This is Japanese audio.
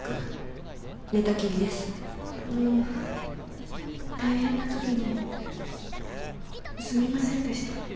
あの大変な時にすみませんでした。